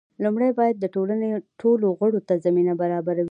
لومړی باید د ټولنې ټولو غړو ته زمینه برابره وي.